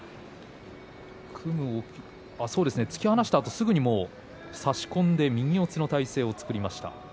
突き放したあと、すぐに差し込んで、右四つの体勢を作りました。